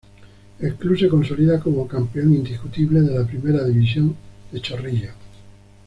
El club se consolida como campeón indiscutible de la Primera División de Chorrillos.